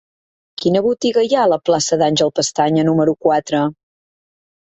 Quina botiga hi ha a la plaça d'Àngel Pestaña número quatre?